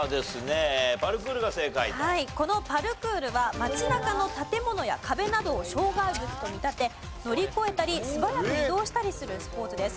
このパルクールは街中の建物や壁などを障害物と見立て乗り越えたり素早く移動したりするスポーツです。